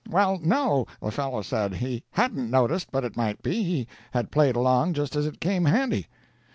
"'Well, no,' the fellow said; 'he hadn't noticed, but it might be; he had played along just as it came handy.'